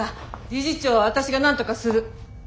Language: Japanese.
理事長は私がなんとかする。